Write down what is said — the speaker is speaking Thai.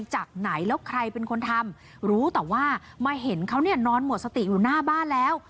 จากไหนแล้วใครเป็นคนทำรู้แต่ว่ามาเห็นเขาเนี่ยนอนหมดสติอยู่หน้าบ้านแล้ว